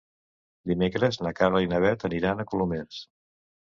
Dimecres na Carla i na Bet aniran a Colomers.